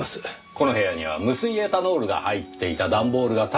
この部屋には無水エタノールが入っていた段ボールが大量にあります。